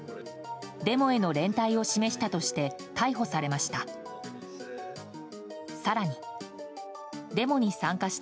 デモへの連帯を示したとして逮捕されました。